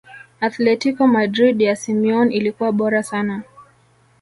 athletico madrid ya simeone ilikuwa bora sana